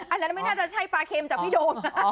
อันนั้นไม่น่าจะใช่ปลาเค็มจากพี่โดม